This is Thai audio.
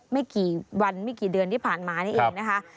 ไม่กี่วันไม่กี่เดือนที่ผ่านมานี่เองนะคะ